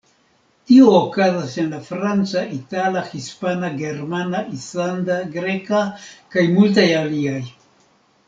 Tio okazas en la franca, itala, hispana, germana, islanda, greka, kaj multaj aliaj.